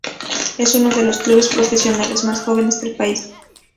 Es uno los clubes profesionales más jóvenes del país.